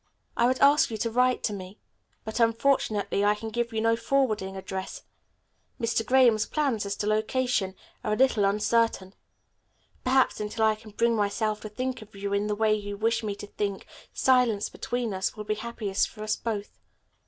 "I would ask you to write me, but, unfortunately, I can give you no forwarding address. Mr. Graham's plans as to location are a little uncertain. Perhaps, until I can bring myself to think of you in the way you wish me to think, silence between us will be happiest for us both.